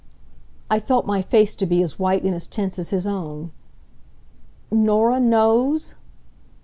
I felt my face to be as white and as tense as his own. "Norah knows!"